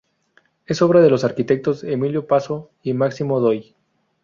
Es obra de los arquitectos Emilio Pazo y Máximo Doig.